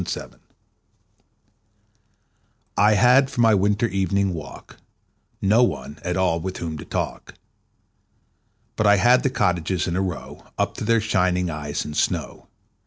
Good Hours I HAD for my winter evening walk No one at all with whom to talk, But I had the cottages in a row Up to their shining eyes in snow.